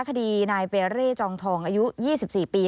คดีนายเปเร่จองทองอายุ๒๔ปี